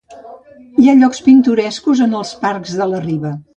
Hi ha llocs pintorescos en els parcs de la riba.